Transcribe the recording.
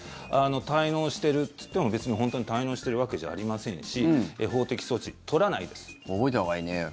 滞納しているといっても別に本当に滞納しているわけじゃありませんし覚えたほうがいいね。